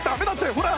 ほら！